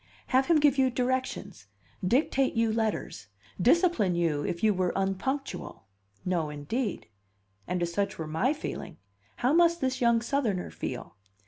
Have him give you directions, dictate you letters, discipline you if you were unpunctual? No, indeed! And if such were my feeling, how must this young Southerner feel?